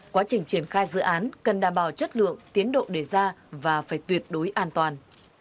quá trình triển khai dự án cần đảm bảo chất lượng tiến độ đề ra và phải tuyệt đối an toàn